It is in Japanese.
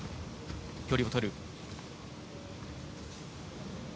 距離を取る。